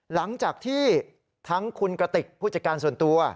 หลังจากที่ทั้งคุณกระติกผู้จัดการส่วนตัว